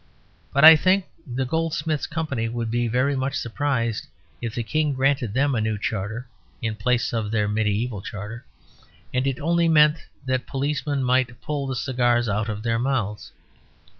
But I think the Goldsmiths' Company would be very much surprised if the King granted them a new charter (in place of their mediæval charter), and it only meant that policemen might pull the cigars out of their mouths.